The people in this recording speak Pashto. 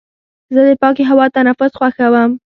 زه د پاکې هوا تنفس خوښوم.